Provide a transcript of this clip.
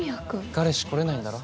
彼氏来れないんだろ？